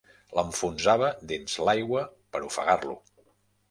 L'enfonsava dins l'aigua per ofegar-lo.